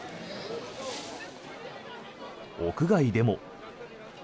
屋外でも。